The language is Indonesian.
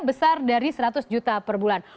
besar dari seratus juta per bulan